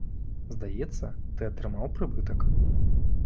Здаецца, ты атрымаў прыбытак.